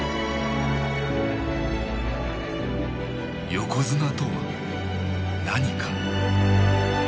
横綱とは何か。